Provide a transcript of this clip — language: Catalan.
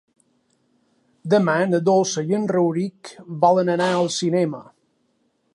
Demà na Dolça i en Rauric volen anar al cinema.